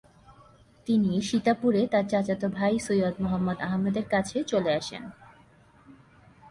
তিনি সীতাপুরে তার চাচাত ভাই সৈয়দ মুহাম্মদ আহমেদের কাছে চলে আসেন।